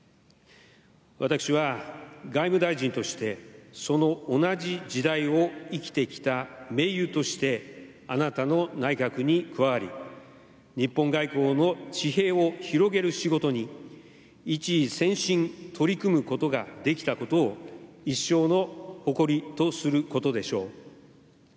私は外務大臣としてその同じ時代を生きてきた盟友としてあなたの内閣に加わり日本外交の治平を広げる仕事に一意専心取り組むことができたことを一生の誇りとすることでしょう。